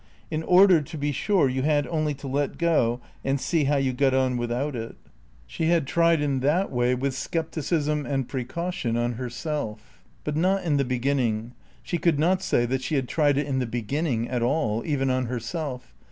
In order to be sure you had only to let go and see how you got on without it. She had tried in that way, with scepticism and precaution, on herself. But not in the beginning. She could not say that she had tried it in the beginning at all, even on herself.